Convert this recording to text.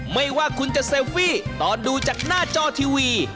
ไม่ว่าคุณจะเซลฟี่ตอนดูจากหน้าจอทีวี